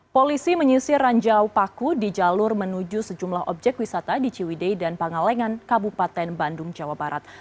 polisi menyisir ranjau paku di jalur menuju sejumlah objek wisata di ciwidei dan pangalengan kabupaten bandung jawa barat